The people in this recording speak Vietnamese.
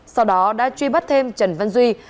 sau đó đã truy bắt thêm trần văn duy